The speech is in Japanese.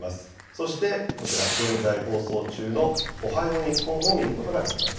そしてこちら、現在放送中のおはよう日本を見ることができます。